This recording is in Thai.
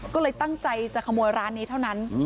ก็เลยตั้งใจจะขโมยร้านนี้เท่านั้น